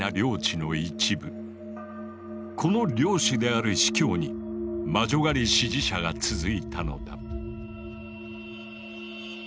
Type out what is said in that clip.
この領主である司教に魔女狩り支持者が続いたのだ。